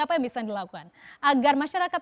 apa yang bisa dilakukan agar masyarakat